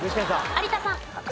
有田さん。